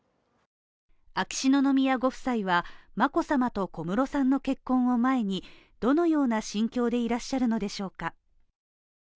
秋篠宮ご夫妻は眞子さまと小室さんの結婚を前に、どのような心境でいらっしゃるのでしょうか？